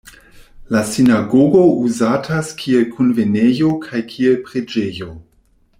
La sinagogo uzatas kiel kunvenejo kaj kiel preĝejo.